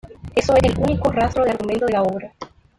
Eso es el único rastro de argumento de la obra.